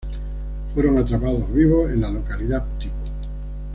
Fueron atrapados vivos en la localidad tipo.